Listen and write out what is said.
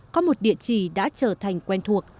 có một địa chỉ đã trở thành quen thuộc